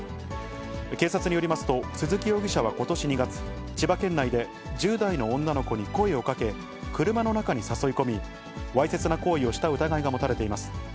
警察によりますと、鈴木容疑者はことし２月、千葉県内で１０代の女の子に声をかけ、車の中に誘い込み、わいせつな行為をした疑いが持たれています。